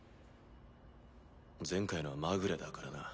前回のはまぐれだからな。